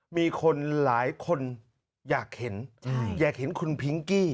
มีคนหลายคนอยากเห็นอยากเห็นคุณพิงกี้